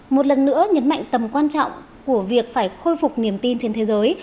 một lần nữa nhấn mạnh tầm quan trọng của việc phải khôi phục niềm tin trên thế giới